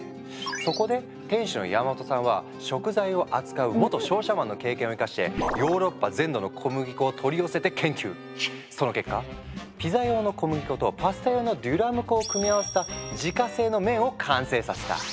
そこで店主の山本さんは食材を扱う元商社マンの経験を生かしてその結果ピザ用の小麦粉とパスタ用のデュラム粉を組み合わせた自家製の麺を完成させた。